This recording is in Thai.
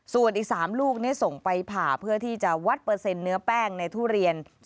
ส่วนอีก๓ลูกส่งไปผ่าเพื่อที่จะวัดเปอร์เซ็นเนื้อแป้งในทุเรียน